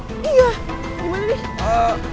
iya gimana dek